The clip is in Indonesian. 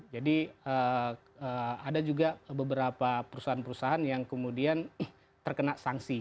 jadi ada juga beberapa perusahaan perusahaan yang kemudian terkena sanksi